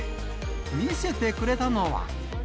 見せてくれたのは。